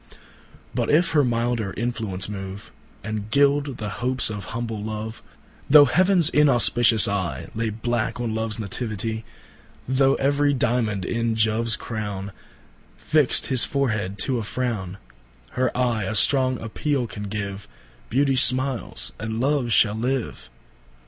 But if her milder influence move, And gild the hopes of humble Love:(Though heavens inauspicious eyeLay blacke on Loves Nativitie; Though every Diamond in Joves crowneFixt his forehead to a frowne,)Her Eye a strong appeale can give, Beauty smiles and Love shall live.